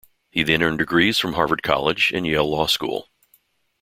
He then earned degrees from Harvard College and Yale Law School.